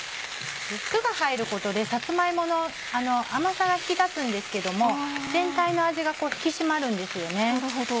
酢が入ることでさつま芋の甘さが引き立つんですけども全体の味が引き締まるんですよね。